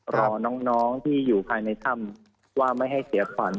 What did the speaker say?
รอน้องที่อยู่ภายในถ้ำว่าไม่ให้เสียขวัญ